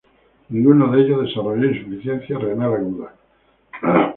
Ninguno de ellos desarrolló insuficiencia renal aguda.